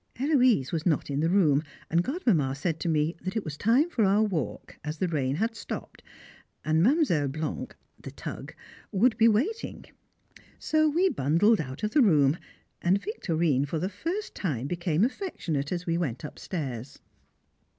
Héloise was not in the room, and Godmamma said to me that it was time for our walk, as the rain had stopped, and Mdlle. Blanc ("the Tug") would be waiting. So we bundled out of the room, and Victorine for the first time became affectionate as we went upstairs.